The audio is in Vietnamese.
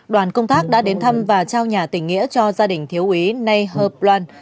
đoàn công tác đã đến thăm và trao nhà tỉnh nghĩa cho gia đình thiếu úy nay herb loan